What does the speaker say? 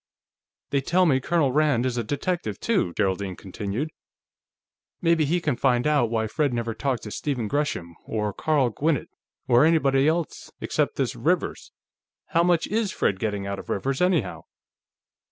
"They tell me Colonel Rand is a detective, too," Geraldine continued. "Maybe he can find out why Fred never talked to Stephen Gresham, or Carl Gwinnett, or anybody else except this Rivers. How much is Fred getting out of Rivers, anyhow?"